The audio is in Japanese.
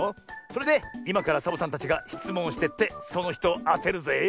それでいまからサボさんたちがしつもんをしてってそのひとをあてるぜ。